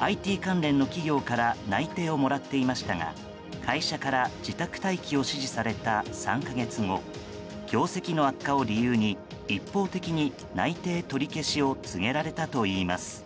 ＩＴ関連の企業から内定をもらっていましたが会社から自宅待機を指示された３か月後業績の悪化を理由に一方的に内定取り消しを告げられたといいます。